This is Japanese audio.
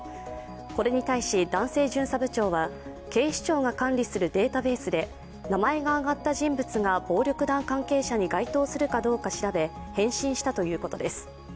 これに対し、男性巡査部長は警視庁が管理するデータベースで名前が挙がった人物が暴力団関係者に該当するかどうか調べ返信したということです。